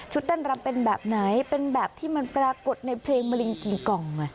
เต้นรำเป็นแบบไหนเป็นแบบที่มันปรากฏในเพลงมะลิงกี่กล่อง